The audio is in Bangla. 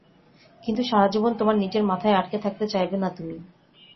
কিন্তু সারাজীবন তোমার নিজের মাথায় আটকে থাকতে চাইবে না তুমি।